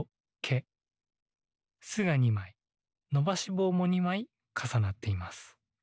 「ス」が２まいのばしぼうも２まいかさなっています。